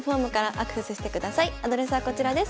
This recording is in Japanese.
アドレスはこちらです。